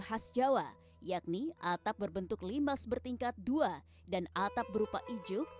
yang berbentuk limas jawa yakni atap berbentuk limas bertingkat dua dan atap berupa ijuk